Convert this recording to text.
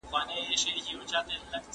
حیات الله ته د مرغیو مینه ډېره جالبه وه.